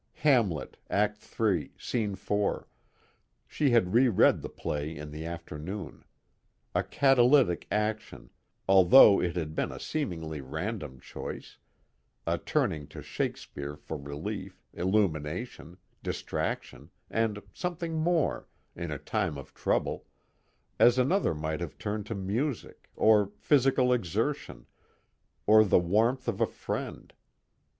Hamlet, Act III, Scene 4 she had reread the play in the afternoon. A catalytic action, although it had been a seemingly random choice, a turning to Shakespeare for relief, illumination, distraction, and something more, in a time of trouble, as another might have turned to music, or physical exertion, or the warmth of a friend.